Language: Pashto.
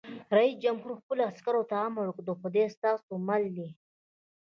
رئیس جمهور خپلو عسکرو ته امر وکړ؛ خدای ستاسو مل دی!